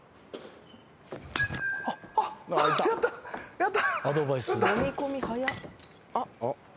やった。